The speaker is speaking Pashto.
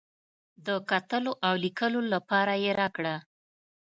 د کتلو او لیکلو لپاره یې راکړه.